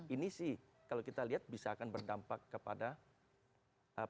ini sih kalau kita lihat bisa akan berdampak kepada apa